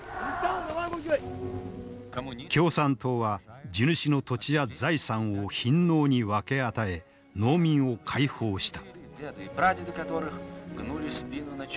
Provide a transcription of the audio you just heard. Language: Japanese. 共産党は地主の土地や財産を貧農に分け与え農民を解放した。